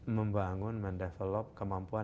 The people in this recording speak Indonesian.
membangun mendevelop kemampuan